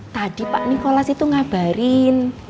tadi pak nikolas itu ngabarin